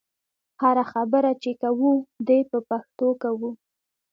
هره خبره چې کوو دې په پښتو کوو.